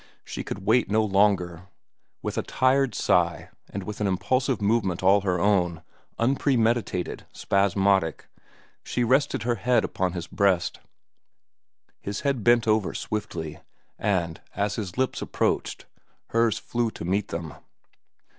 She could wait no longer. With a tired sigh, and with an impulsive movement all her own, unpremeditated, spasmodic, she rested her head upon his breast. His head bent over swiftly, and, as his lips approached, hers flew to meet them.